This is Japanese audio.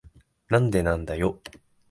なんでなんだよ。